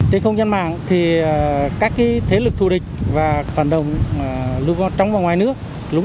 trên không gian mạng thì các thế lực thù địch và phản động trong và ngoài nước